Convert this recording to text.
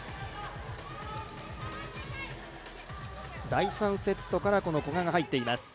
第３セットからこの古賀が入っています。